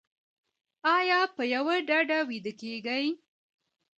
ایا په یوه ډډه ویده کیږئ؟